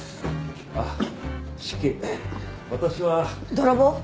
泥棒？